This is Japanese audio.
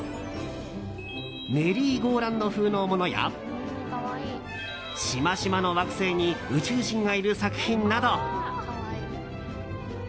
メリーゴーラウンド風のものやしましまの惑星に宇宙人がいる作品など。